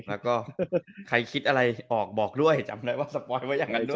แล้วก็ใครคิดอะไรออกบอกด้วยจำเลยว่าสปอยว่าอย่างนั้นด้วย